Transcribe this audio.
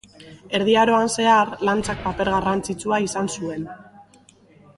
Erdi Aroan zehar, lantzak paper garrantzitsua izan zuen.